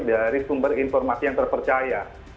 dari sumber informasi yang terpercaya